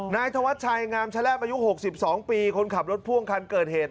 นายธวัชชัยงามแชลบอายุ๖๒ปีคนขับรถพ่วงคันเกิดเหตุ